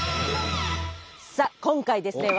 さあ今回ですね